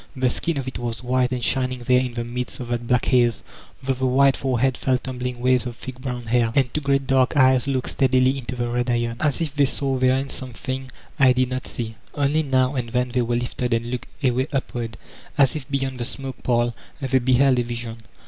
The skin of it was white and shining there in the midst of that black haze; over the wide forehead fell tumbling waves of thick brown hair, and two great dark eyes looked steadily into the red iron, as if they saw therein something I did not see; only now and then they were lifted, and looked away upward, as if beyond the smoke pall they beheld a vision.